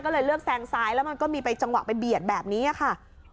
ก็เลยเลือกแซงซ้ายแล้วมันก็มีไปจังหวะไปเบียดแบบนี้ค่ะ